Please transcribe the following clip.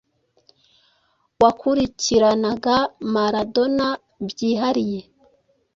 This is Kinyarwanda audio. wakurikiranaga Maradona byihariye,